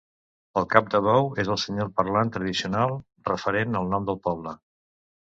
El cap de bou és el senyal parlant tradicional referent al nom del poble.